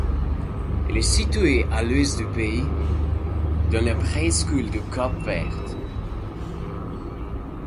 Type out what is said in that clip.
Il est situé à l'ouest du pays, dans la presqu'île du Cap-Vert.